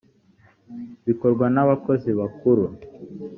bikorwa n abakozi bakuru